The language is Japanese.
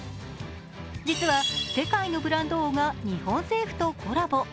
実は、世界のブランド王が日本政府とコラボ。